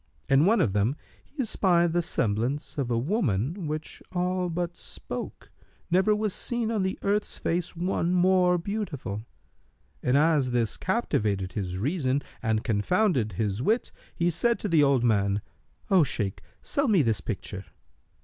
In one of them he espied the semblance of a woman which all but spoke, never was seen on the earth's face one more beautiful; and as this captivated his reason and confounded his wit, he said to the old man, "O Shaykh, sell me this picture."